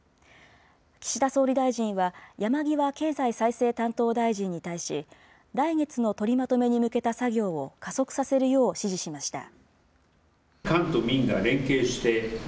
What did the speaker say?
岸田総理大臣は、山際経済再生担当大臣に対し、来月の取りまとめに向けた作業を加速させるよう指示しました。